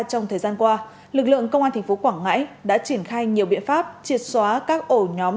trong thời gian qua lực lượng công an tp quảng ngãi đã triển khai nhiều biện pháp triệt xóa các ổ nhóm